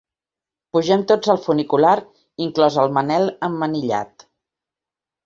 Pugem tots al funicular, inclòs el Manel emmanillat.